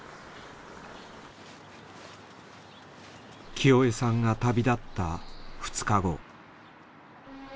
キヨエさんが旅立った２日後。